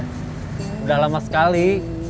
sudah lama sekali